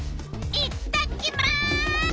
いっただきます！